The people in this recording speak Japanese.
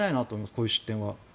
こういう失点は。